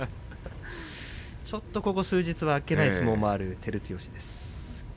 ちょっとここ数日はあっけない相撲がある照強です。